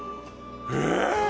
え！